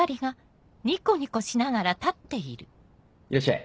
いらっしゃい